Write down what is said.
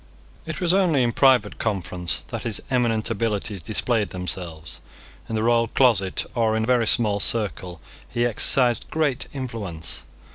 It was only in private conference that his eminent abilities displayed themselves. In the royal closet, or in a very small circle, he exercised great influence.